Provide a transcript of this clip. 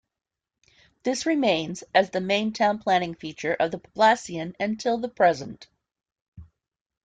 This remains as the main town-planning feature of the poblacion until the present.